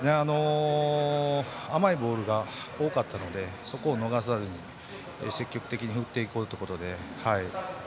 甘いボールが多かったのでそこを逃さずに積極的に振っていこうということで。